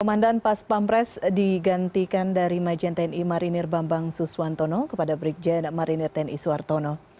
komandan pas pampres digantikan dari majen tni marinir bambang suswantono kepada brigjen marinir tni suartono